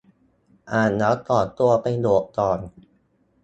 อ่านแล้วขอตัวไปโหลดก่อน